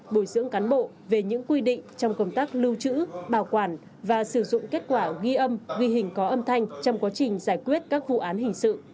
bồi dưỡng cán bộ về những quy định trong công tác lưu trữ bảo quản và sử dụng kết quả ghi âm ghi hình có âm thanh trong quá trình giải quyết các vụ án hình sự